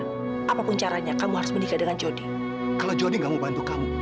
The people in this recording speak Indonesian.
sampai jumpa di video selanjutnya